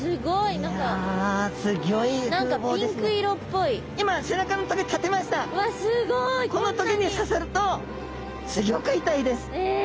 この棘に刺さるとすギョく痛いです。え！